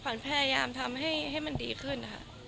ขวัญเพยรยามทำให้มันดีขึ้น